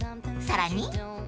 ［さらに］